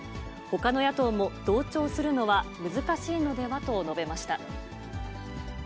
ほかの野党も同調するのは難しいのではと述べました。